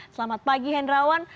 selamat pagi hindrawan